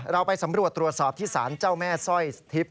เราไปสำรวจตรวจสอบที่สารเจ้าแม่สร้อยสทิพย